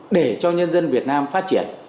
để cho nhân dân việt nam phát triển